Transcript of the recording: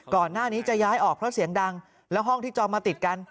ก่อนหน้านี้จะย้ายออกเพราะเสียงดังแล้วห้องที่จองมาติดกัน